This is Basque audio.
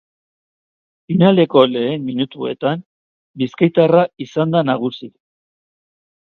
Finaleko lehen minutuetan bizkaitarra izan da nagusi.